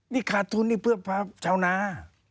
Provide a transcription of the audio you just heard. นี่คาร์ทูลนี่เพื่อชาวนา